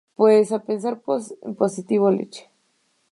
pues a pensar en positivo. leche.